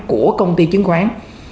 của công ty chứng khoán